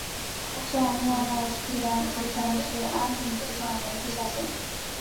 在莫纳斯蒂拉基站至阿蒂基站为地下线。